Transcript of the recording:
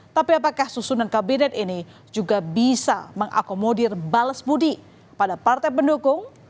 tapi apakah susunan kabinet ini juga bisa mengakomodir bales budi pada partai pendukung